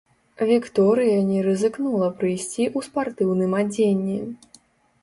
Вікторыя не рызыкнула прыйсці ў спартыўным адзенні.